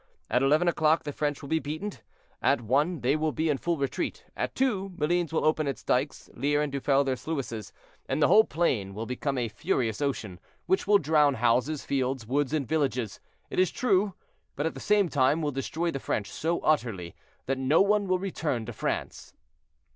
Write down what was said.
At eleven o'clock the French will be beaten; at one they will be in full retreat; at two Malines will open its dykes, Lier and Duffel their sluices, and the whole plain will become a furious ocean, which will drown houses, fields, woods, and villages, it is true, but at the same time will destroy the French so utterly, that not one will return to France."